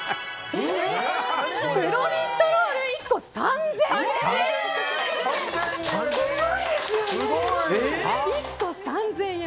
プロフィットロール１個、３０００円！